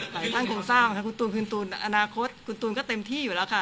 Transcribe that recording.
ท่านคงสร้างค่ะคุณตูนคุณตูนอนาคตคุณตูนก็เต็มที่อยู่แล้วค่ะ